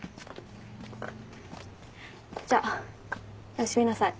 じゃおやすみなさい。